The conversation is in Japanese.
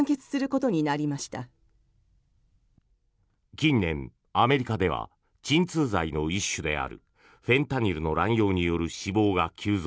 近年、アメリカでは鎮痛剤の一種であるフェンタニルの乱用による死亡が急増。